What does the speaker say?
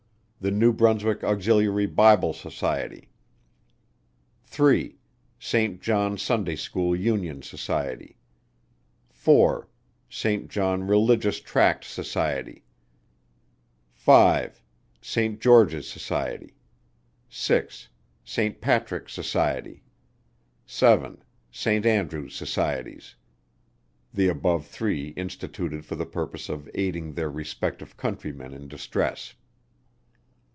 The New Brunswick Auxiliary Bible Society. 3. Saint John Sunday School Union Society. 4. Saint John Religious Tract Society. 5. Saint George's } 6. Saint Patrick's Societies. } Societies. 7. Saint Andrew's } Instituted for the purpose of aiding their respective countrymen in distress.